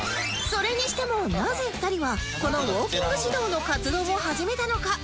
それにしてもなぜ２人はこのウォーキング指導の活動を始めたのか？